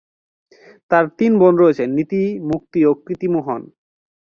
তাঁর তিন বোন রয়েছে; নীতি, মুক্তি ও কৃতি মোহন।